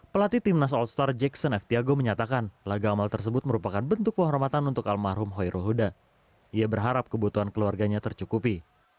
pelatih timnas all star jackson f tiago menyatakan laga amal tersebut merupakan bentuk penghormatan untuk almarhum hoyrul huda ia berharap kebutuhan keluarganya tercukupi